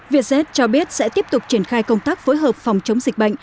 vietjet cho biết sẽ tiếp tục triển khai công tác phối hợp phòng chống dịch bệnh